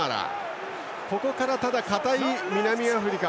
ここから堅い南アフリカ。